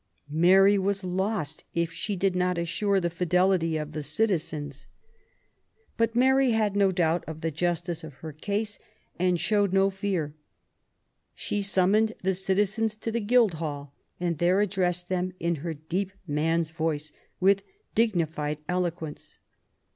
Mary was lost if she did not assure the fidelity of the citizens. But Mary had no doubt of the justice of her cause and showed no fear. She summoned the citizens to the Guildhall and there addressed them in her deep man's voice, with dignified eloquence.